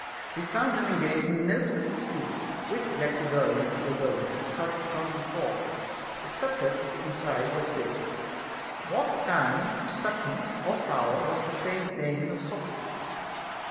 20. We found them engaged in a notable dispute, which Galaxidorus and Phidolaus had touched upon before ; the subject of the enquiry was this, — What kind of substance or power was the famed Daemon of Socrates'?